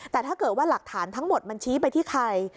แต่ถ้าเกิดว่าหลักฐานทั้งหมดมันชี้ไปที่ใคร